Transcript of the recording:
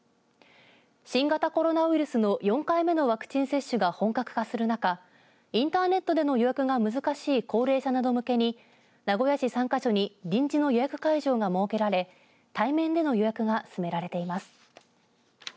新型コロナウイルスの４回目のワクチン接種が本格化する中、インターネットでの予約が難しい高齢者など向けに名古屋市３か所に臨時の予約会場が設けられ対面での予約が進められています。